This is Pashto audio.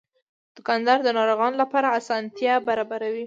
دوکاندار د ناروغانو لپاره اسانتیا برابروي.